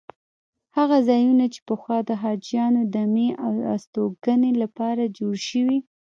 هغه ځایونه چې پخوا د حاجیانو دمې او استوګنې لپاره جوړ شوي.